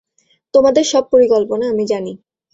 তোমাদের সব পরিকল্পনা আমি জানি।